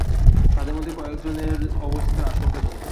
তাঁদের মধ্যে কয়েকজনের অবস্থা আশঙ্কাজনক।